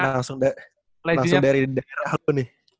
langsung dari daerah apa nih